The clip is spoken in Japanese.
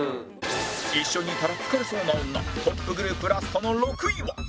一緒にいたら疲れそうな女トップグループラストの６位は